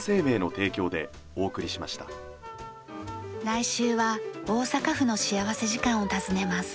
来週は大阪府の幸福時間を訪ねます。